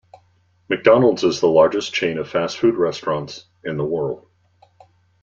McDonald's is the largest chain of fast food restaurants in the world.